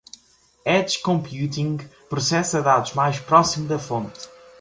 Edge Computing processa dados mais próximo da fonte.